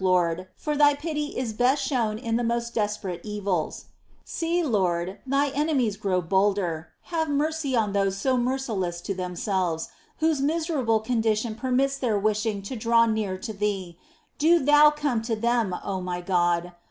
Lord, for Thy pity is best shown in the most desperate evils. 3. See, Lord, Thine enemies grow bolder — have mercy on those so merciless to themselves, whose miserable condition prevents their wishing to draw near to Thee : do Thou come to them, O my God